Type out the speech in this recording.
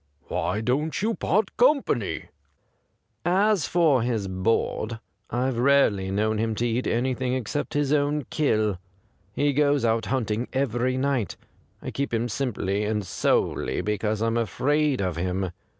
Why don't you part company ?' ^As for his board, I've rarely 178 THE GRAY CAT known him to eat anything except his own kill. He goes out hunting every night. I keep him simply and solely because I'm afraid of him.